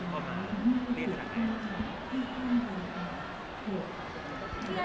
ทุกคนที่ติดตามแล้วก็แฟนคลับด้วยค่ะ